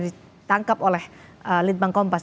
ditangkap oleh litbang kompas